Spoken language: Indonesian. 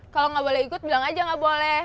kalau nggak boleh ikut bilang aja nggak boleh